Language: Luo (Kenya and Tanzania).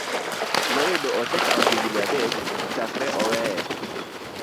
noyudo osekawo higini adek chakre oweye.